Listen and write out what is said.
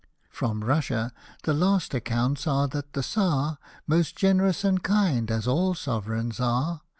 From Russia the last accounts are that the Czar — Most generous and kind, as all sovereigns are.